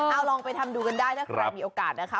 เอาลองไปทำดูกันได้ถ้าใครมีโอกาสนะคะ